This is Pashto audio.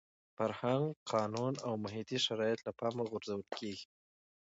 فرهنګ، قانون او محیطي شرایط له پامه غورځول کېږي.